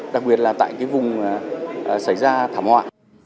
đặc biệt là tại vùng xảy ra thảm họa